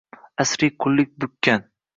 Asriy qullik bukkan